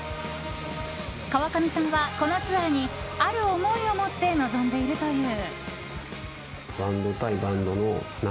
川上さんは、このツアーにある思いを持って臨んでいるという。